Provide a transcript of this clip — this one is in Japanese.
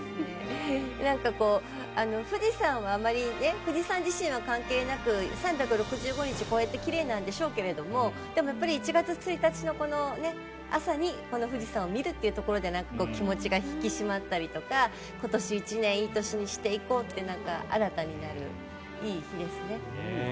富士山自身は関係なく３６５日こうやって奇麗なんでしょうけどでもやっぱり１月１日の朝にこの富士山を見るというところで気持ちが引き締まったりとか今年１年いい年にしていこうって新たになる、いい日ですね。